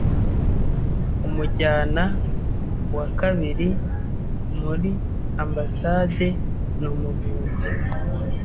b. Umujyana wa kabiri muri Ambasade ni umuvuzi